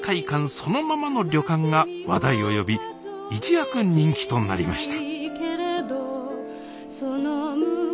そのままの旅館が話題を呼び一躍人気となりました